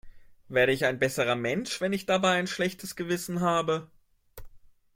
Werde ich ein besserer Mensch, wenn ich dabei ein schlechtes Gewissen habe?